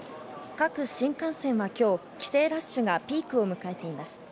各新幹線は今日、帰省ラッシュがピークを迎えています。